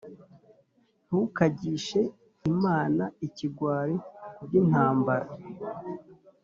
ntukagishe inama ikigwari ku by’intambara,